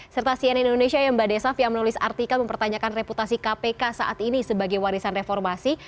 serta cnn indonesia ya mbak desaf yang menulis artikel mempertanyakan reputasi kpk saat ini sebagai warisan reformasi